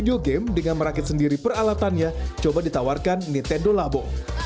dan para pemain yang merakit sendiri peralatannya coba ditawarkan nintendo labo